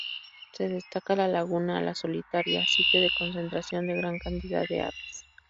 Se destaca la laguna La Solitaria, sitio de concentración de gran cantidad de aves.